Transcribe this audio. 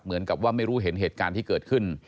เหมือนกับว่าไม่รู้เห็นเหตุการณ์ที่เกิดขึ้น